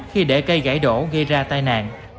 khi để cây gãy đổ gây ra tai nạn